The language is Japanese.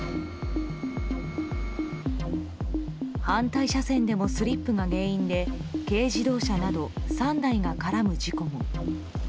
反対車線でもスリップが原因で軽自動車など３台が絡む事故も。